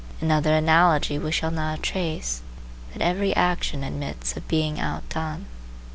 Another analogy we shall now trace, that every action admits of being outdone.